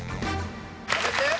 やめて！